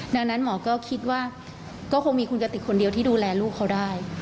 ดังนั้นหมอก็คิดว่าก็คงมีคุณกติกคนเดียวที่ดูแลลูกเขาได้